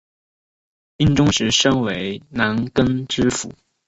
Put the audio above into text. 英宗时升为南康知府。